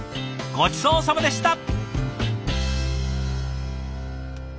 ごちそうさまでした！